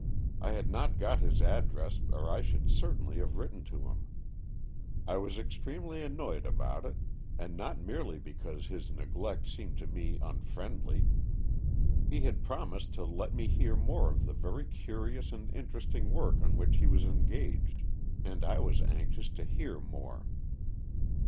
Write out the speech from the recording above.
I had not got his address, or I should certainly have written to him. I was extremely annoyed about it, and not merely because his neglect seemed to me unfriendly. He had promised to let me hear more of the very curious and interesting work on which he was engaged, and I was anxious to hear more.